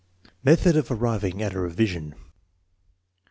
Method of arriving at a revision.